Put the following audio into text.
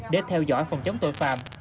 để theo dõi phòng chống tội phạm